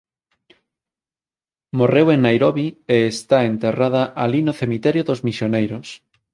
Morreu en Nairobi e está enterrada alí no cemiterio dos misioneiros.